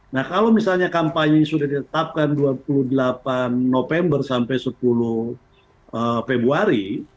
nah kalau misalnya kampanye sudah ditetapkan dua puluh delapan november sampai sepuluh februari